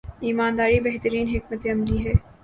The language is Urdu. ایمان داری بہترین حکمت عملی ہے۔